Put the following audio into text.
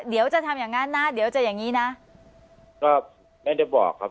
เดี๋ยวจะทำอย่างนั้นนะเดี๋ยวจะอย่างงี้นะก็ไม่ได้บอกครับ